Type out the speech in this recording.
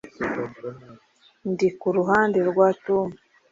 Ndi ku ruhande rwa Tom